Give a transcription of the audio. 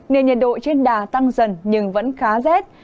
nên nhiệt độ trên đà tăng dần nhưng vẫn khá rét